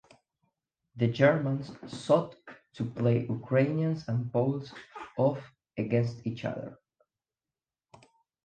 The Germans sought to play Ukrainians and Poles off against each other.